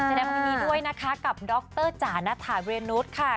จะแนะนำวันนี้ด้วยนะคะกับด็อตเตอร์จานทาเบียรนุษย์ค่ะ